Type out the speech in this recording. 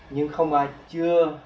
nhưng không ai chưa